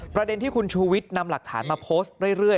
ประเด็นที่คุณชูวิทย์นำหลักฐานมาโพสต์เรื่อย